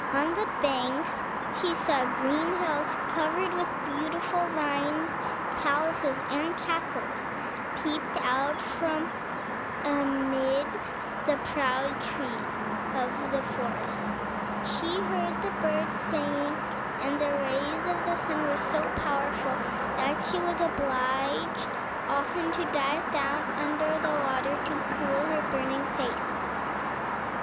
On the banks she saw green hills covered with beautiful vines; palaces and castles peeped out from amid the proud trees of the forest; she heard the birds singing, and the rays of the sun were so powerful that she was obliged often to dive down under the water to cool her burning face.